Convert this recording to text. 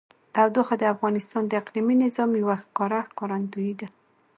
تودوخه د افغانستان د اقلیمي نظام یوه ښکاره ښکارندوی ده.